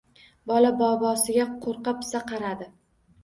Bola bobosiga qoʻrqa-pisa qaradi.